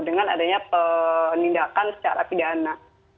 dengan adanya penindakan secara pidana